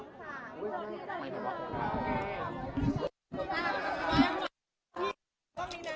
ไม่ได้หยัดแล้วนะ